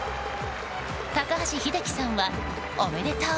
高橋英樹さんはおめでとう！